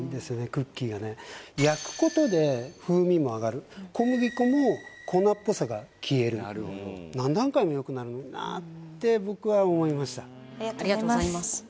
クッキーがね焼くことで風味もあがる小麦粉も粉っぽさが消える何段階もよくなるのになって僕は思いました